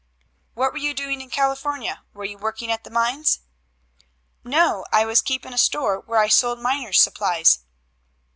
"What were you doing in California? Were you working at the mines?" "No. I was keeping a store where I sold miners' supplies."